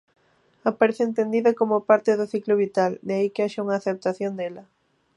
Aparece entendida como parte do ciclo vital, de aí que haxa unha aceptación dela.